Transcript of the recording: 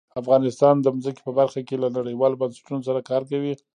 افغانستان د ځمکه په برخه کې له نړیوالو بنسټونو سره کار کوي.